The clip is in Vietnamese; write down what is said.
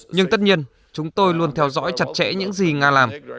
nhưng tất nhiên chúng tôi luôn theo dõi chặt chẽ những gì nga làm